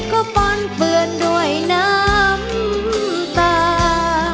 ก็ป้อนเปื้อนด้วยน้ำตา